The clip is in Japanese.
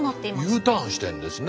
Ｕターンしてるんですね。